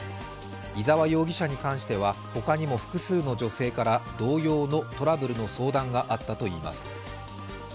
伊沢容疑者に関しては他にも複数の女性から同様のトラブルの相談があったといいます。